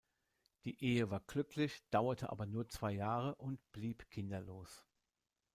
Die Ehe war glücklich, dauerte aber nur zwei Jahre und blieb kinderlos.